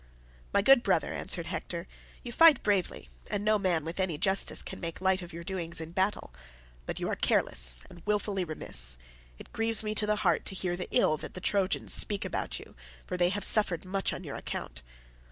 "My good brother," answered Hector, "you fight bravely, and no man with any justice can make light of your doings in battle. But you are careless and wilfully remiss. It grieves me to the heart to hear the ill that the Trojans speak about you, for they have suffered much on your account.